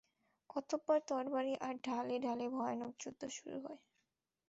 অতঃপর তরবারি আর ঢালে ঢালে ভয়ানক যুদ্ধ শুরু হয়।